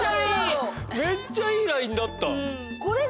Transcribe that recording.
めっちゃいいラインだった！